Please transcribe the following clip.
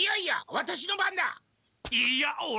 ワタシの番だ！